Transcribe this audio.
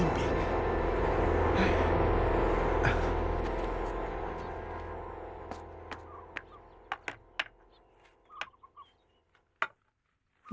untuk cuma mimpi